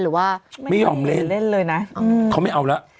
หรือว่าไม่ยอมเล่นเล่นเลยนะเขาไม่เอาแล้ว